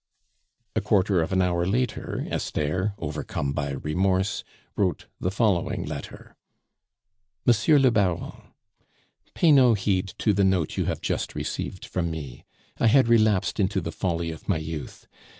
A quarter of an hour later, Esther, overcome by remorse, wrote the following letter: "MONSIEUR LE BARON, "Pay no heed to the note you have just received from me; I had relapsed into the folly of my youth.